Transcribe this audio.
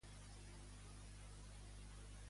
De quin color va tornar-se el rostre d'Anningan?